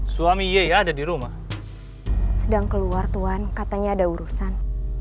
suami ye ya ada di rumah sedang keluar tuhan katanya ada urusan